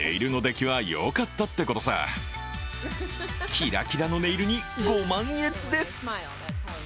キラキラのネイルにご満悦です。